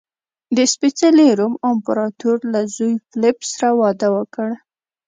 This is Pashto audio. د سپېڅلي روم امپراتور له زوی فلیپ سره واده وکړ.